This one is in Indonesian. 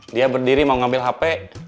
dia berdiri mau ngambil hp